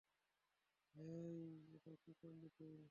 হেই, এটা কী করলি তুই?